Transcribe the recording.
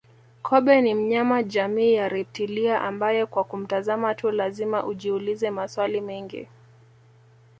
Kobe ni mnyama jamii ya reptilia ambaye kwa kumtazama tu lazima ujiulize maswali mengi